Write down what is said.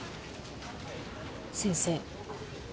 先生。